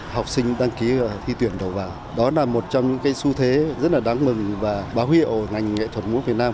học sinh đăng ký thi tuyển đầu vào đó là một trong những cái xu thế rất là đáng mừng và báo hiệu ngành nghệ thuật múa việt nam